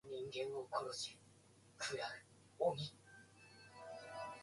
眠かったらから寝た